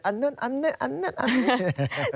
อันนู้นอันนั้นอันนั้นอันนี้